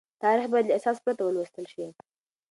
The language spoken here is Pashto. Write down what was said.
تاريخ بايد له احساس پرته ولوستل شي.